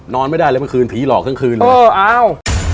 นอนไม่ได้เลยเมื่อคืนผีหลอกทั้งคืนเลย